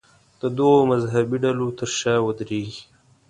د دغو مذهبي ډلو تر شا ودرېږي.